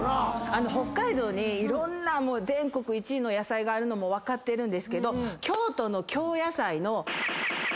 北海道にいろんな全国１位の野菜があるのも分かってるんですけど京都の。